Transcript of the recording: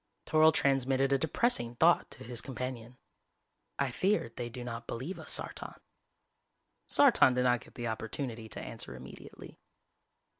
Toryl transmitted a depressing thought to his companion. "I fear they do not believe us, Sartan." Sartan did not get the opportunity to answer immediately.